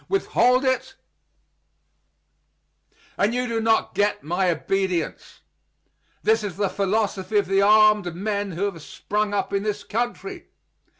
Withhold it, and you do not get my obedience. This is the philosophy of the armed men who have sprung up in this country.